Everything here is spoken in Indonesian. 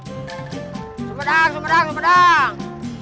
sempedang sempedang sempedang